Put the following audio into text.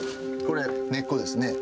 これ根っこですねはい。